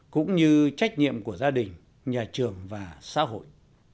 cũng như trách nhiệm của gia đình nhà trường và xã hội